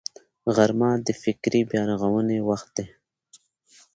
غرمه د فکري بیا رغونې وخت دی